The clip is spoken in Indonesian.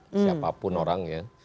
siapapun orang ya